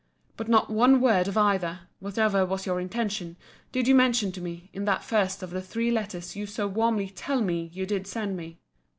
But not one word of either, whatever was your intention, did you mention to me, in that first of the three letters you so warmly TELL me you did send me.